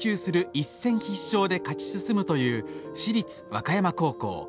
一戦必勝で勝ち進むという市立和歌山高校。